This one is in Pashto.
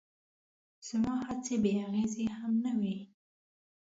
زما هڅې بې اغېزې هم نه وې.